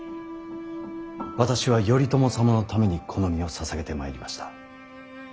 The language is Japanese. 私は頼朝様のためにこの身を捧げてまいりました。